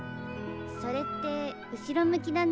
それって後ろ向きだなあって。